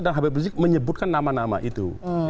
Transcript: dan habib rizieq menyebutkan nama nama itu